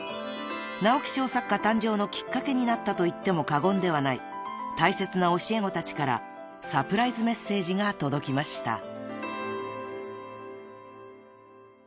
［直木賞作家誕生のきっかけになったと言っても過言ではない大切な教え子たちからサプライズメッセージが届きました］